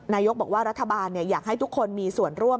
นายกบอกว่ารัฐบาลอยากให้ทุกคนมีส่วนร่วม